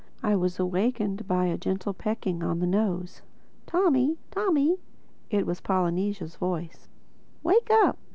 I was awakened by a gentle pecking on the nose. "Tommy!—Tommy!" (it was Polynesia's voice) "Wake up!